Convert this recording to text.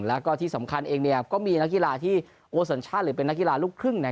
แล้วก็ที่สำคัญเองก็มีนักกีฬาที่โอสัญชาติหรือเป็นนักกีฬาลูกครึ่ง